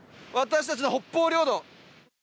私たちの北方領土。